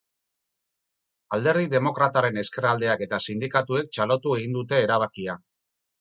Alderdi demokrataren ezkerraldeak eta sindikatuek txalotu egin dute erabakia.